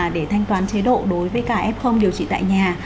để thanh toán chế độ đối với cả f điều trị tại nhà